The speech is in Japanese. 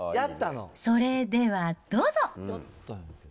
それではどうぞ。